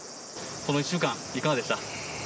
この１週間、いかがでした？